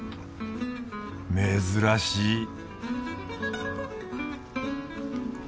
珍しい